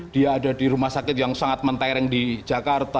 dia ada di rumah sakit yang sangat mentereng di jakarta